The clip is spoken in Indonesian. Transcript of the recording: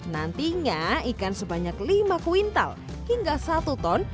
nantinya ikan sebanyak lima kuintal hingga satu ton